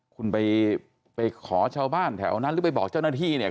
คุณไปไปขอชาวบ้านแถวนั้นหรือไปบอกเจ้าหน้าที่เนี่ย